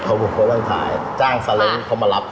พ่อหมอกก็ต้องขายจ้างสาเล็งเขามารับผม